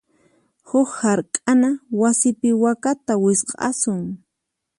Huk hark'ana wasipi wakata wisq'asun.